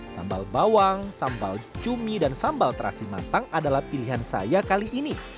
sambal bawang sambal cumi dan sambal terasi matang adalah pilihan saya kali ini